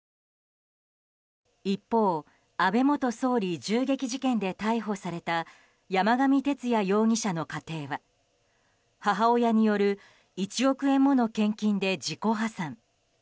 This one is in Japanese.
一方安倍元総理銃撃事件で逮捕された山上徹也容疑者の家庭は母親による１億円もの献金で自己破産。